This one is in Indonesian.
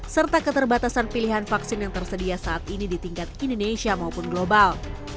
serta keterbatasan pilihan vaksin yang tersedia saat ini di tingkat indonesia maupun global